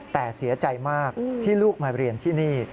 แต่เสียใจมากที่ลูกมาเรียนที่นี่